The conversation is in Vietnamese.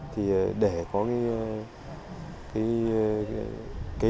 thì để có cái kế hoạch để đưa cái khu di tích trở thành